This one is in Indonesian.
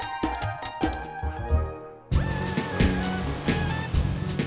emang kau staat ini selama kerja